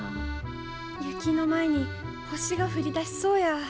雪の前に星が降り出しそうや。